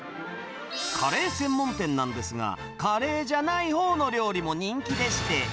カレー専門店なんですが、カレーじゃないほうの料理も人気でして。